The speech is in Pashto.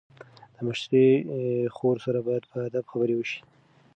د مشرې خور سره باید په ادب خبرې وشي.